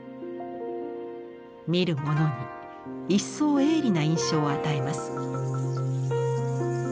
見る者にいっそう鋭利な印象を与えます。